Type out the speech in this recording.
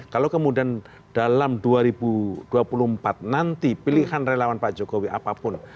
kalau kemudian dalam dua ribu dua puluh empat nanti pilihan relawan pak jokowi apapun